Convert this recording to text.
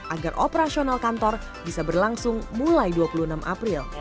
agar operasional kantor bisa berlangsung mulai dua puluh enam april